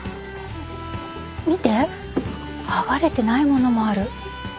見てはがれてないものもある。